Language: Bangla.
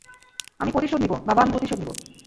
আমি প্রতিশোধ নিবো, বাবা, আমি প্রতিশোধ নিবো!